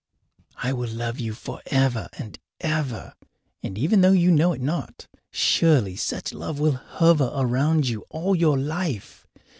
I will love you forever and ever. And even though you know it not, surely such love will hover around you all your life.